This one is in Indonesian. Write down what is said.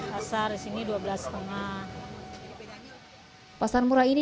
pasar murah ini diadakan oleh pasar jaya